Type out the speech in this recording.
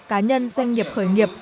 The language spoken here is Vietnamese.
cá nhân doanh nghiệp khởi nghiệp